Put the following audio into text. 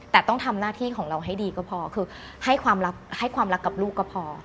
แต่ต้องทำหน้าที่ของเราให้ดีก็พอคือให้ความรักกับลูกก็พอ